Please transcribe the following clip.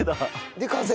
で完成？